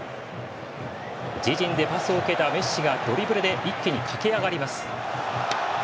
自陣でパスを受けたメッシがドリブルで一気に駆け上がります。